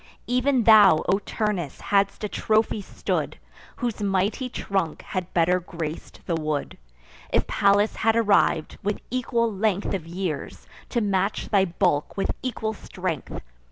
Even thou, O Turnus, hadst a trophy stood, Whose mighty trunk had better grac'd the wood, If Pallas had arriv'd, with equal length Of years, to match thy bulk with equal strength.